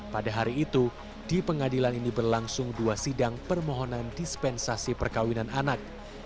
pada hari itu di pengadilan ini berlangsung dua sidang permohonan dispensasi perkawinan anak